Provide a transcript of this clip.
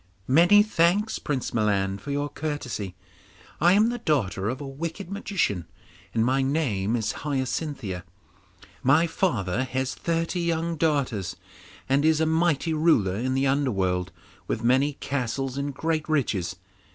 'Many thanks, Prince Milan, for your courtesy. I am the daughter of a wicked magician, and my name is Hyacinthia. My father has thirty young daughters, and is a mighty ruler in the underworld, with many castles and great riches.